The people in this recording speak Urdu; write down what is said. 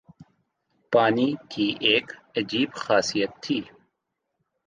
پانی کی ایک عجیب خاصیت تھی